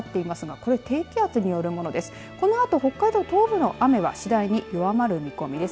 このあと北海道東部の雨は次第に弱まる見込みです。